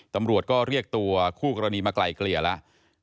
ตำรวจก็เรียกตัวคู่กรณีมาไกลเกลี่ยแล้ว